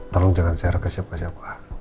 tolong jangan share ke siapa siapa